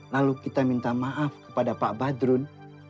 lalu kita minta maaf kepada pak badrun